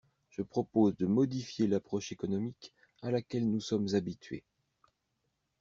Je propose de modifier l’approche économique à laquelle nous sommes habitués.